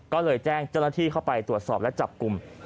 ก็เลยแจ้งเจ้าหน้าที่เข้าไปตรวจสอบและจับกลุ่ม